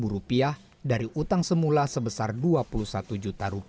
rp dua puluh satu lima ratus dari utang semula sebesar rp dua puluh satu